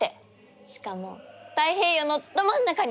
しかも太平洋のど真ん中に！